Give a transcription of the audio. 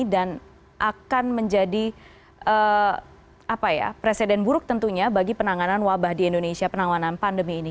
dan akan menjadi presiden buruk tentunya bagi penanganan wabah di indonesia penanganan pandemi ini